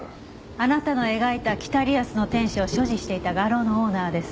あなたの描いた『北リアスの天使』を所持していた画廊のオーナーです。